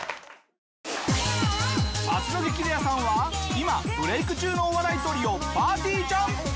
明日の『激レアさん』は今ブレーク中のお笑いトリオぱーてぃーちゃん。